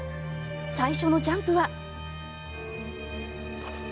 最初のジャンプは。